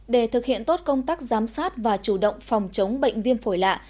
để thực hiện tốt công tác giám sát và chủ động phòng chống bệnh viêm phổi lạ